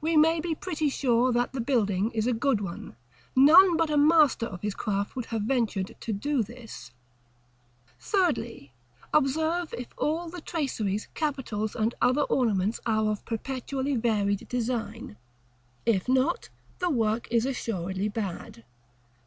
We may be pretty sure that the building is a good one; none but a master of his craft would have ventured to do this. § CXIII. Thirdly. Observe if all the traceries, capitals, and other ornaments are of perpetually varied design. If not, the work is assuredly bad.